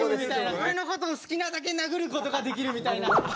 俺の事を好きなだけ殴る事ができるみたいな。